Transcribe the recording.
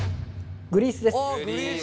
グリースです。